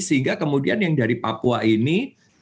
sehingga kemudian yang dari papua ini